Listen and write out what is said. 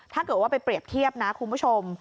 ถ้าเกิดว่าไปเปรียบเทียบนะคุณผู้ชม